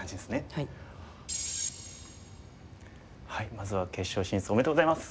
まずは決勝進出おめでとうございます。